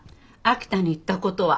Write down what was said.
秋田に行ったことは？